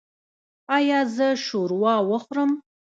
ایا زه شوروا وخورم؟